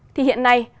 thì hiện nay